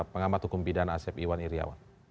pengamat hukum bidana asep iwan iryawan